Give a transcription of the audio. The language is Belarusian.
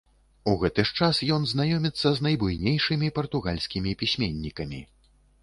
У гэты ж час ён знаёміцца з найбуйнейшымі партугальскімі пісьменнікамі.